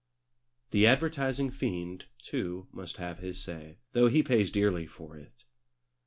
The advertising fiend, too, must have his say, though he pays dearly for it.